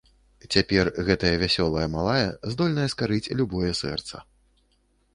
Цяпер гэтая вясёлая малая здольная скарыць любое сэрца.